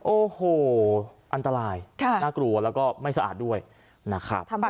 โอ้โหอันตรายน่ากลัวแล้วก็ไม่สะอาดด้วยนะครับ